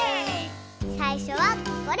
さいしょはこれ。